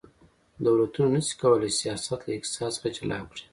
دولتونه نشي کولی سیاست له اقتصاد څخه جلا کړي